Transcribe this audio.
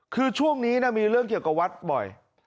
คือช่วงนี้มีเรื่องเกี่ยวกับวัดบ่อย